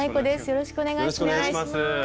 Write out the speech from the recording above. よろしくお願いします。